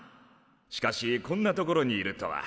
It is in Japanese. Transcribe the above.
しかしこんな所にいるとは。